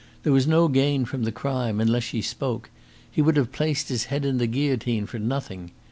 There was no gain from the crime unless she spoke. He would have placed his head in the guillotine for nothing.